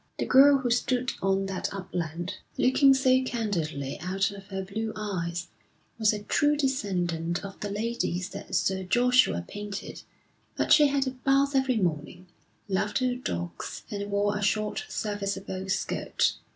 The girl who stood on that upland, looking so candidly out of her blue eyes, was a true descendant of the ladies that Sir Joshua painted, but she had a bath every morning, loved her dogs, and wore a short, serviceable skirt.